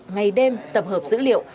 ngày đêm tập hợp dữ liệu